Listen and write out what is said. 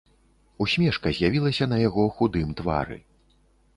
Усмешка з'явілася на яго худым твары.